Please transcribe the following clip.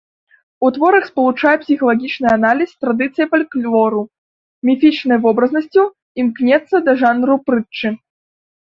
У творах спалучае псіхалагічны аналіз з традыцыямі фальклору, міфічнай вобразнасцю, імкнецца да жанру прытчы.